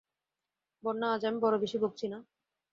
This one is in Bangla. বন্যা, আজ আমি বড়ো বেশি বকছি, না?